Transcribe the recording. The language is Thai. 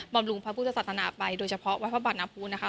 ำรุงพระพุทธศาสนาไปโดยเฉพาะวัดพระบาทน้ำพูนะคะ